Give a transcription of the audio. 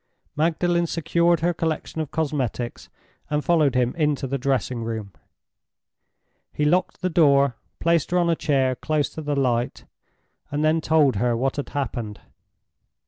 Magdalen secured her collection of cosmetics and followed him into the dressing room. He locked the door, placed her on a chair close to the light, and then told her what had happened.